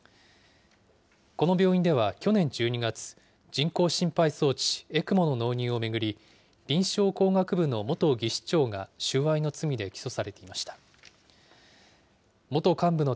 この病院では去年１２月、人工心肺装置・ＥＣＭＯの納入を巡り、臨床工学部の元技士長が収賄の罪で起訴されていました。